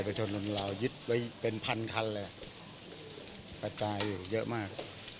ประจายอยู่เยอะมาก